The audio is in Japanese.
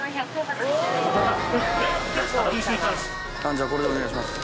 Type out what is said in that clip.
じゃあこれでお願いします。